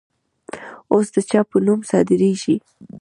اوس د چا په نوم صادریږي؟